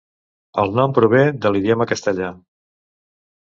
El nom prové de l'idioma castellà.